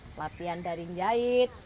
pelatihan dari jahit